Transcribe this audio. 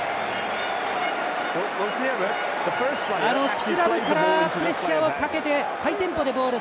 スクラムからプレッシャーをかけてハイテンポでボール。